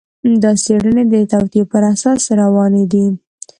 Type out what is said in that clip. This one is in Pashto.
دا څېړنې د توطیو پر اساس روانې دي.